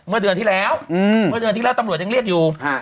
เมื่อเดือนที่แล้วเมื่อเดือนที่แล้วตำรวจยังเรียกอยู่